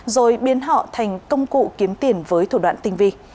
rồi biến họ thành công cụ kiếm tiền với thủ đoạn tinh vi